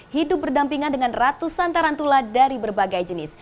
hidup berdampingan dengan ratusan tarantula dari berbagai jenis